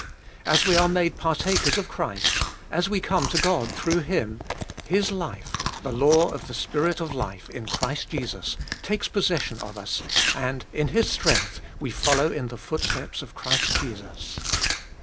As we are made partakers of Christ, as we come to God through Him, His 364 abe Iboliest of 2UI life, the law of the Spirit of life in Christ Jesus, takes possession of us, and in His strength we follow in the footsteps of Christ Jesus.